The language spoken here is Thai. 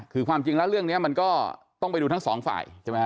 คือความจริงแล้วเรื่องนี้มันก็ต้องไปดูทั้งสองฝ่ายใช่ไหมฮ